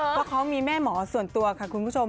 เพราะเขามีแม่หมอส่วนตัวค่ะคุณผู้ชม